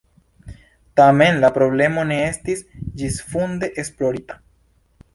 Tamen la problemo ne estis ĝisfunde esplorita.